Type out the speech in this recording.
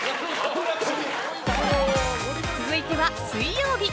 ［続いては水曜日］